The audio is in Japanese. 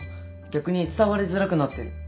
逆に伝わりづらくなってる。